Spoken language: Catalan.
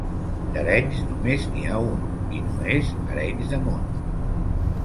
D'Arenys només n'hi ha un i no és Arenys de Munt.